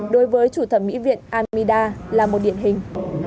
đối với chủ thẩm mỹ viện amida là một điện hình